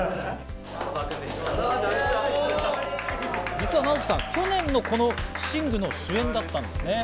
実はナオキさん、去年のこの『ＳＩＮＧ！』の主演だったんですね。